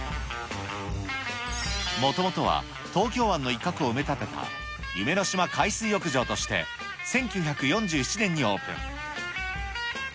もともとは東京湾の一角を埋め立てた夢の島海水浴場として、１９４７年にオープン。